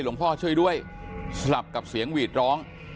พ่อช่วยด้วยสลับกับเสียงหวีดร้อง